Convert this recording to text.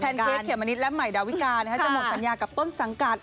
เค้กเขมมะนิดและใหม่ดาวิกาจะหมดสัญญากับต้นสังกัด